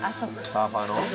サーファーの？